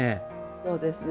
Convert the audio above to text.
そうですね。